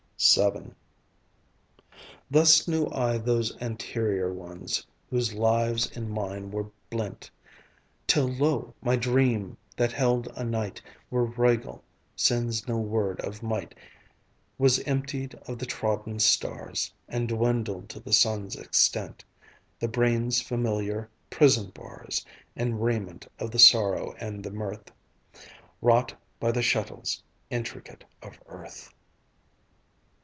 VII Thus knew I those anterior ones Whose lives in mine were blent; Till, lo! my dream, that held a night Where Rigel sends no word of might, Was emptied of the trodden stars, And dwindled to the sun's extent The brain's familiar prison bars, And raiment of the sorrow and the mirth Wrought by the shuttles intricate of earth.